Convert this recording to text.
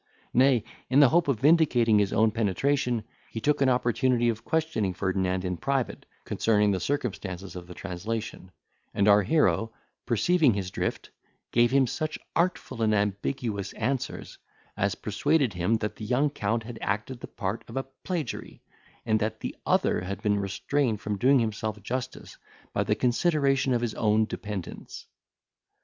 Nay, in the hope of vindicating his own penetration, he took an opportunity of questioning Ferdinand in private concerning the circumstances of the translation, and our hero, perceiving his drift, gave him such artful and ambiguous answers, as persuaded him that the young Count had acted the part of a plagiary, and that the other had been restrained from doing himself justice, by the consideration of his own dependence.